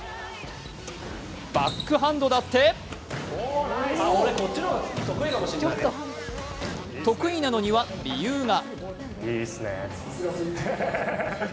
バックハンドだって得意なのには理由が。